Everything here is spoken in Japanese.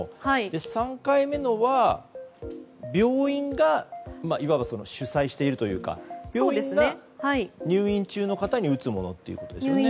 ３回目のは、病院がいわば、主催しているというか病院が入院中の方に打つものということですよね。